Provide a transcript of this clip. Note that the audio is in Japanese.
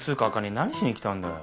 何しに来たんだよ？